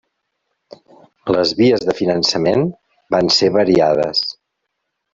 Les vies de finançament van ser variades.